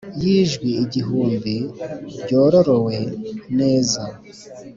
yijwi igihumbi ryororowe neza,